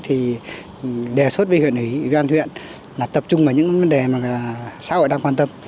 thì đề xuất với huyện ủy ủy ban huyện là tập trung vào những vấn đề mà xã hội đang quan tâm